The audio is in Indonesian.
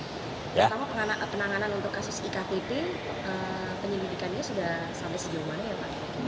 pertama penanganan untuk kasus e ktp penyidikannya sudah sampai sejumlahnya